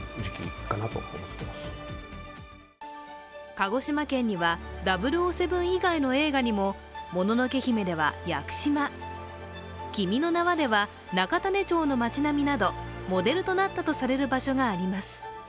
鹿児島県には「００７」以外の映画にも「もののけ姫」では屋久島、「君の名は」では中種子町の町並みなどモデルとなったとされる場所があります。